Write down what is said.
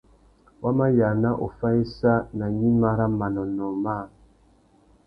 Wa mà yāna uffá issa nà gnima râ manônōh măh.